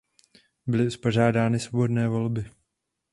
Byly uspořádány svobodné volby.